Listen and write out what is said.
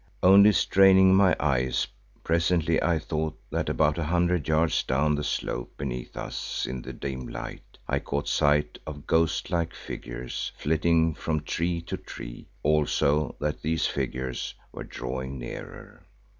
Only straining my eyes, presently I thought that about a hundred yards down the slope beneath us in the dim light I caught sight of ghostlike figures flitting from tree to tree; also that these figures were drawing nearer.